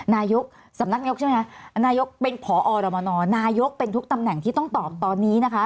นายกสำนักนายกใช่ไหมคะนายกเป็นผอรมนนายกเป็นทุกตำแหน่งที่ต้องตอบตอนนี้นะคะ